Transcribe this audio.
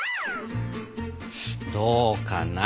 どうかな。